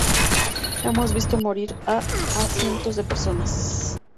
hemos visto morir a... a cientos de personas.